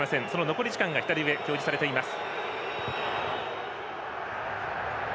残り時間が左上に表示されています。